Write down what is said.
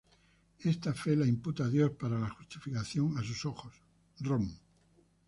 Esta fe la imputa Dios para la justificación a Sus ojos, Rom.